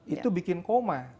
itu bikin koma